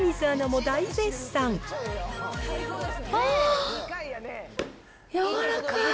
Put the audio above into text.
あー、やわらかい。